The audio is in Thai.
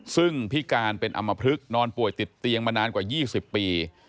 ซึ่งพิการเป็นอำมพลึกนอนป่วยติดเตียงมานานกว่า๒๐ปี